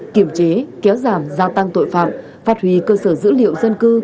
kiểm chế kéo giảm gia tăng tội phạm phát huy cơ sở dữ liệu dân cư